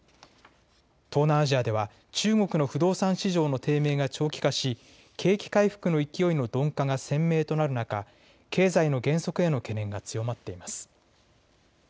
東南アジアでは中国の不動産市場の低迷が長期化し景気回復の勢いの鈍化が鮮明となる中、経済の減速への懸念が強まっています。